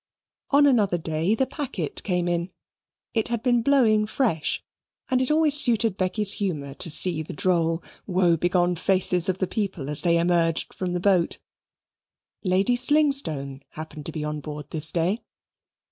On another day the packet came in. It had been blowing fresh, and it always suited Becky's humour to see the droll woe begone faces of the people as they emerged from the boat. Lady Slingstone happened to be on board this day.